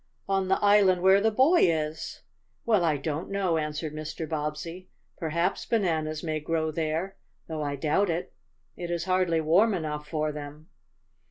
"On the island where the boy is?" "Well, I don't know," answered Mr. Bobbsey. "Perhaps bananas may grow there, though I doubt it. It is hardly warm enough for them."